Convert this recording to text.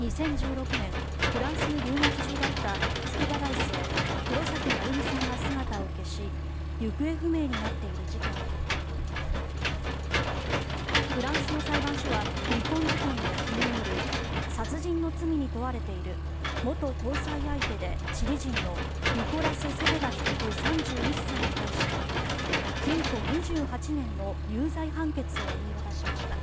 ２０１６年フランスに留学中だった筑波大生黒崎愛海さんが姿を消し行方不明になっている事件でフランスの裁判所は日本時間の昨日夜殺人の罪に問われている元交際相手でチリ人のニコラス・セペダ被告３１歳に対し禁錮２８年の有罪判決を言い渡しました。